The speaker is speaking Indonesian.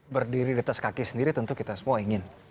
berdiri di atas kaki sendiri tentu kita semua ingin